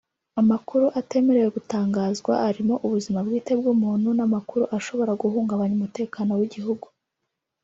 Amakuru atemerewe gutangazwa arimo ubuzima bwite bw’ umuntu n’ amakuru ashobora guhungabanya umutekano w’ igihugu